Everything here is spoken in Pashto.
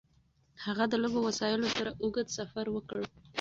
هغه د لږو وسایلو سره اوږد سفر وکړ.